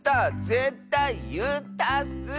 ぜったいいったッス！